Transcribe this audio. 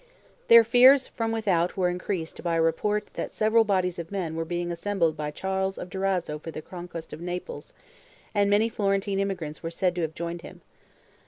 Their fears from without were increased by a report that several bodies of men were being assembled by Charles of Durazzo for the conquest of Naples, and many Florentine emigrants were said to have joined him.